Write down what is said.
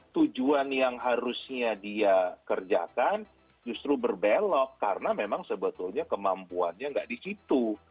tujuan yang harusnya dia kerjakan justru berbelok karena memang sebetulnya kemampuannya nggak di situ